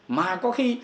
mà có khi